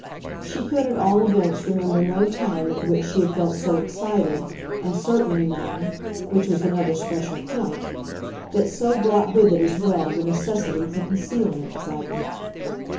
She could at all events remember no time at which she had felt so excited, and certainly none which was another special point that so brought with it as well the necessity for concealing excitement.